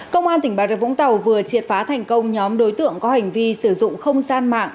công an tỉnh bà rập vũng tàu vừa triệt phá thành công nhóm đối tượng có hành vi sử dụng không gian mạng